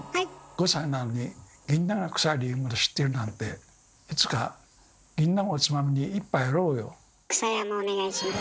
５歳なのにぎんなんがクサい理由まで知ってるなんてくさやもお願いします。